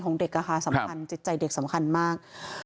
ของเด็กสำคัญจิตใจเด็กสำคัญมาก